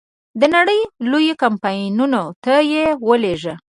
د نړی لویو کمپنیو ته یې ولېږه.